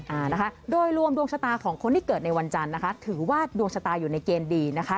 อ่านะคะโดยรวมดวงชะตาของคนที่เกิดในวันจันทร์นะคะถือว่าดวงชะตาอยู่ในเกณฑ์ดีนะคะ